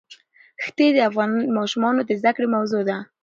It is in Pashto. ښتې د افغان ماشومانو د زده کړې موضوع ده.